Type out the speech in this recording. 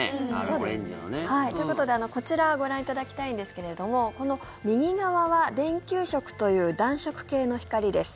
オレンジのね。ということで、こちらご覧いただきたいんですけれども右側は電球色という暖色系の光です。